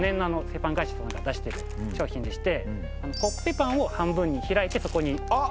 製パン会社さんが出してる商品でしてコッペパンを半分に開いてそこにあっ！